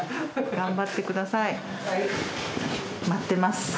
頑張ってください。